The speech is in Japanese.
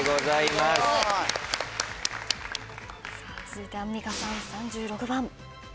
続いてアンミカさん３６番。